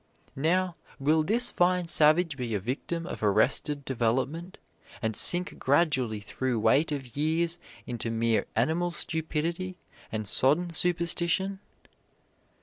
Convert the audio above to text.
Now, will this fine savage be a victim of arrested development, and sink gradually through weight of years into mere animal stupidity and sodden superstition?